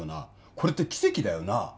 これって奇跡だよな